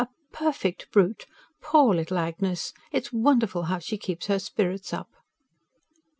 ... a perfect brute! Poor little Agnes. It is wonderful how she keeps her spirits up."